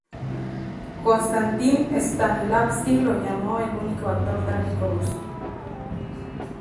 Konstantín Stanislavski lo llamó "el único actor trágico ruso.